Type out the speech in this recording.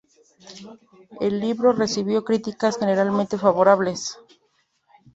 El libro recibió críticas generalmente favorables.